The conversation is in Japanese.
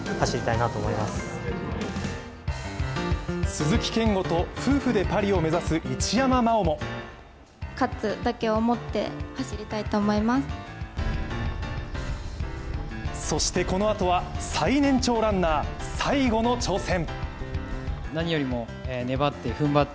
鈴木健吾と夫婦でパリを目指す一山麻緒もそしてこのあとは、最年長ランナー、最後の挑戦。